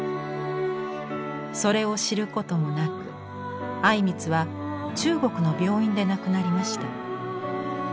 それを知ることもなく靉光は中国の病院で亡くなりました。